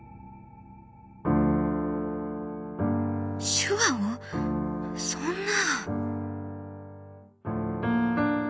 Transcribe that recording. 「手話をそんな」。